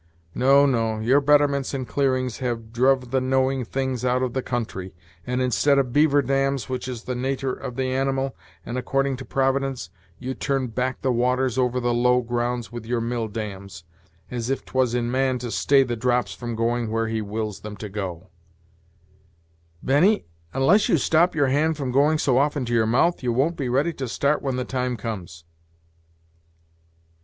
No, no your betterments and clearings have druv the knowing things out of the country, and instead of beaver dams, which is the nater of the animal, and according to Providence, you turn back the waters over the low grounds with your mill dams, as if 'twas in man to stay the drops from going where He wills them to go Benny, unless you stop your hand from going so often to your mouth, you won't be ready to start when the time comes.